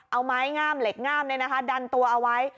เอาไม้ง่ามเหล็กง่ามนี่นะคะดันตัวเอาไว้